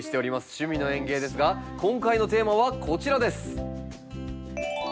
「趣味の園芸」ですが今回のテーマはこちらです。